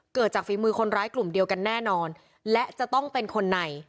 เกิดจากฝีมือคนร้ายกลุ่มเดียวกันแน่นอนและจะต้องเป็นคนใน